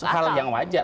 hal yang wajar